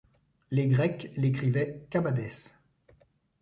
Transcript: Les grecs l'écrivaient Kabadès.